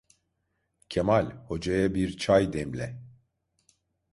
Kemal, Hoca'ya bir çay demle.